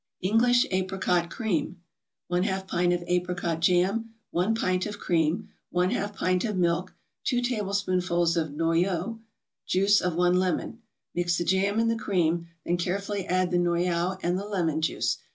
ENGLISH APRICOT CREAM 1/2 pint of apricot jam 1 pint of cream 1/2 pint of milk 2 tablespoonfuls of noyau Juice of one lemon Mix the jam and the cream, then carefully add the noyau and the lemon juice.